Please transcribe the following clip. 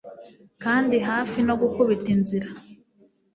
kandi hafi no gukubita inzira